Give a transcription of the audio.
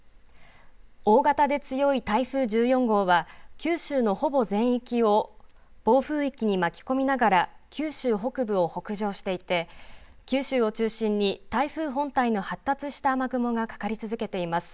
大型で強い台風１４号は九州のほぼ全域を暴風域に巻き込みながら九州北部を北上していて九州を中心に台風本体の発達した雨雲がかかり続けています。